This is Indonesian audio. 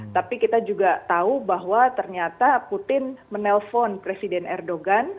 tapi kita juga tahu bahwa ternyata putin menelpon presiden erdogan